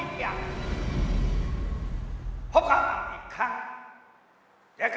ออกกำลังอีกขั้น